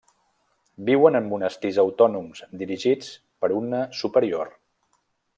Viuen en monestirs autònoms dirigits per una superior.